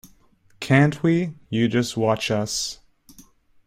Can't we? You just watch us.